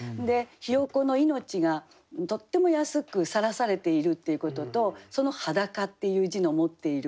ひよこの命がとっても安くさらされているっていうこととその「裸」っていう字の持っている効果と。